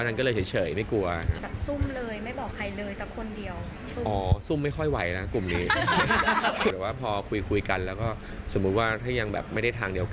เพราะฉะนั้นก็เลยเฉยไม่กลัว